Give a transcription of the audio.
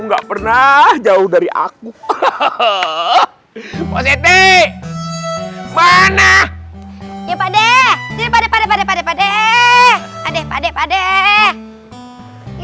nggak pernah jauh dari aku hahaha posisi mana ya pada pada pada pada pada pada pada pada